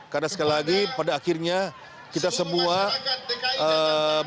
karena sekali lagi pada akhirnya kita semua berpen